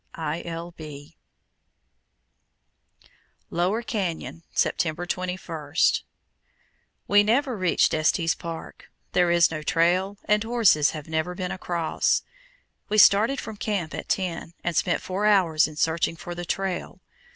I. L. B. LOWER CANYON, September 21. We never reached Estes Park. There is no trail, and horses have never been across. We started from camp at ten, and spent four hours in searching for the trail.